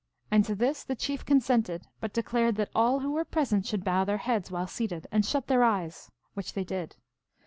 And to this the Chief consented, but declared that all who were present should bow their heads while seated, and shut their eyes, which they did.